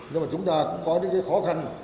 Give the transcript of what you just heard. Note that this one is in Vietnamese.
nhưng mà chúng ta cũng có những cái khó khăn